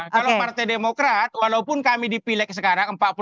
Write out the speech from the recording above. kalau partai demokrat walaupun kami di pileg sekarang